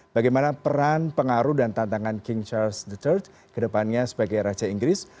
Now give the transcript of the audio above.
bagaimana peran pengaruh dan tantangan king charles de third ke depannya sebagai raja inggris